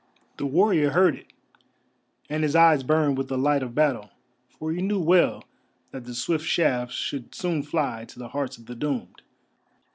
The warrior heard it, and his eyes burned with the light of battle, for he knew well that the swift shafts should soon fly to the hearts of the doomed.